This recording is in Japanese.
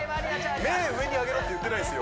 目上に上げろって言ってないですよ